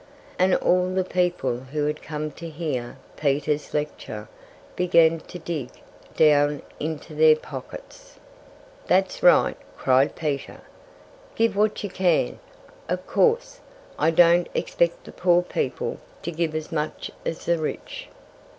And all the people who had come to hear Peter's lecture began to dig down into their pockets. "That's right!" Peter cried. "Give what you can! Of course, I don't expect the poor people to give as much as the rich."